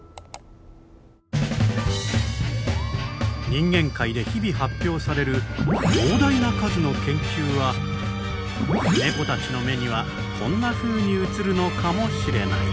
人間界で日々発表される膨大な数の研究はネコたちの目にはこんなふうに映るのかもしれない。